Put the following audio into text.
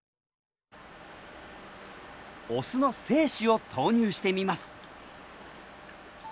オスの精子を投入してみます。